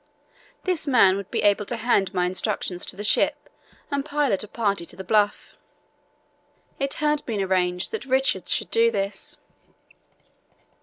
This man would be able to hand my instructions to the ship and pilot a party to the Bluff. It had been arranged that Richards should do this.